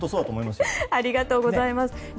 ありがとうございます。